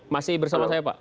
masih bersama saya pak